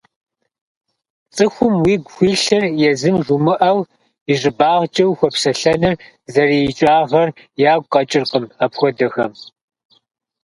ЦӀыхум уигу хуилъыр езым жумыӀэу, и щӀыбагъкӀэ ухуэпсэлъэныр зэрыикӀагъэр ягу къэкӀыркъым апхуэдэхэм.